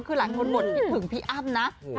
คือหลายคนอดคิดถึงพี่อ้ำนะ